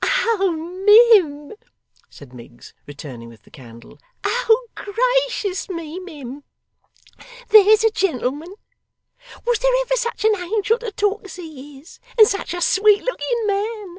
'Oh, mim,' said Miggs, returning with the candle. 'Oh gracious me, mim, there's a gentleman! Was there ever such an angel to talk as he is and such a sweet looking man!